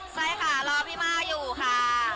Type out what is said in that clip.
ใช่ค่ะรอพี่ม่าอยู่ค่ะ